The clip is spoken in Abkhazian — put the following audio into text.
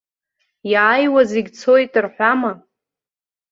Иааиуа зегьы цоит рҳәама!